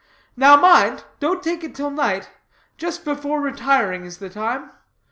Now, mind, don't take it till night. Just before retiring is the time.